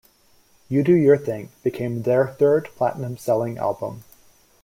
"You Do Your Thing" became their third platinum-selling album.